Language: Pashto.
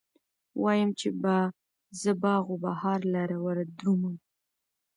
وايم، چې به زه باغ و بهار لره وردرومم